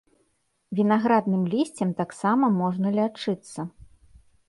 Вінаградным лісцем таксама можна лячыцца.